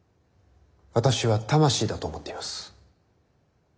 私は魂だと思っています。